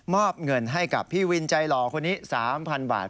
อบเงินให้กับพี่วินใจหล่อคนนี้๓๐๐๐บาท